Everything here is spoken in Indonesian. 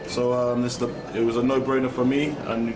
jadi ini adalah penjajaran yang tidak bisa diperlukan untuk saya